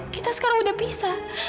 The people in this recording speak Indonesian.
kita sekarang udah pisah